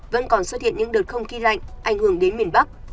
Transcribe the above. vẫn còn xuất hiện những đợt không khí lạnh ảnh hưởng đến miền bắc